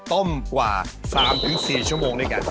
ต้มกว่า๓๔ชั่วโมงด้วยกัน